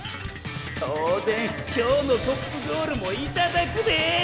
当然今日のトップゴールも頂くでぇ！